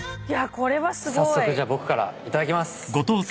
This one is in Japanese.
早速僕からいただきます。